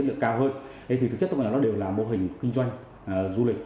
giao hơi thì thực chất tất cả nó đều là mô hình kinh doanh du lịch